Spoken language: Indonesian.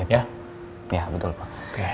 ya betul pak